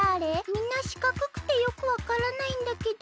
みんなしかくくてよくわからないんだけど？